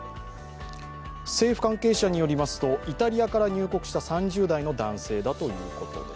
政府関係者によりますと、イタリアから入国した３０代の男性だということです。